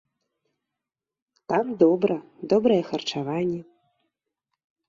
Там добра, добрае харчаванне.